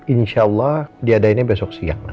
insya allah diadainnya besok siang